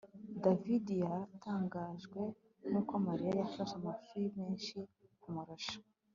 davide yatangajwe nuko mariya yafashe amafi menshi kumurusha